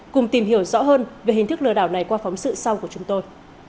cùng tìm hiểu rõ hơn về hình thức lừa đảo này qua phóng sự sau của chúng tôi